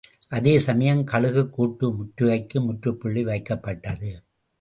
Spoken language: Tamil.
அதே சமயம், கழுகுக்கூட்டு முற்றுகைக்கு முற்றுப்புள்ளி வைக்கப்பட்டது.